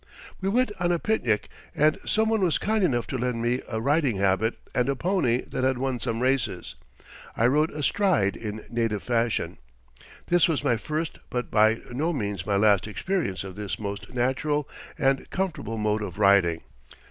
We went on a picnic, and some one was kind enough to lend me a riding habit and a pony that had won some races. I rode astride, in native fashion. This was my first but by no means my last experience of this most natural and comfortable mode of riding.